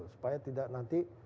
supaya tidak nanti